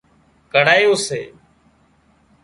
ڪڙهايون سي